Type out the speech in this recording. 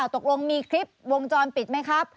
ตกลงมีคลิปวงจรปิดไหมครับ